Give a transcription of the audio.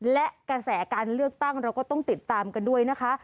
และกระแสการเลือกตั้งเราก็ต้องติดตามกันด้วยนะคะ